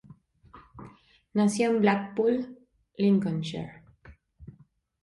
Nació en Blackpool, Lancashire.